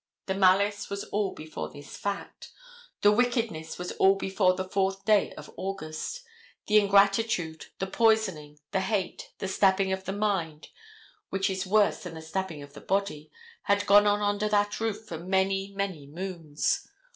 The malice was all before this fact. The wickedness was all before the fourth day of August. The ingratitude, the poisoning, the hate, the stabbing of the mind, which is worse than the stabbing of the body, had gone on under that roof for many, many moons.